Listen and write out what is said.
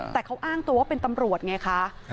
แต่เขาอ้างตัวว่าเป็นตำรวจไงคะ